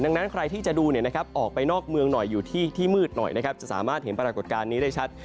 ดังนั้นใครที่จะดูออกไปนอกเมืองหน่อยอยู่ที่มืดหน่อยนะครับจะสามารถเห็นปรากฏการณ์นี้ได้ชัด